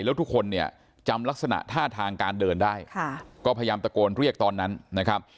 แล้วทุกคนเนี่ยจำลักษณะท่าทางการเดินได้ค่ะก็พยายามตะโกนเรียกตอนนั้นนะครับ